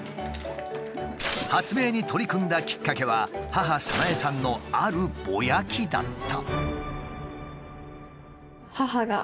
発明に取り組んだきっかけは母・早苗さんのあるボヤきだった。